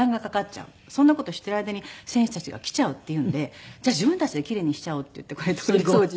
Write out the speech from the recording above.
そんな事している間に選手たちが来ちゃうっていうんでじゃあ自分たちで奇麗にしちゃおうっていってこれトイレ掃除。